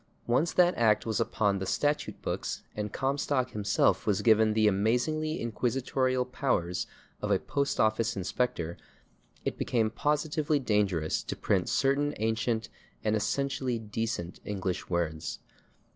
Once that act was upon the statute books and Comstock himself was given the amazingly inquisitorial powers of a post office inspector, it became positively dangerous to print certain ancient and essentially decent English words.